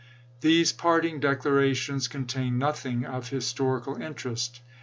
These parting declarations contain nothing of his torical interest.